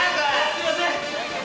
すいません。